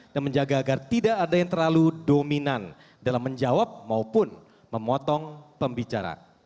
dan menjaga agar tidak ada yang terlalu dominan dalam menjawab maupun memotong pembicara